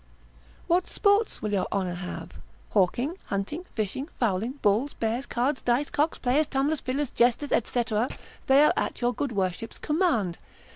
What sport will your honour have? hawking, hunting, fishing, fowling, bulls, bears, cards, dice, cocks, players, tumblers, fiddlers, jesters, &c., they are at your good worship's command.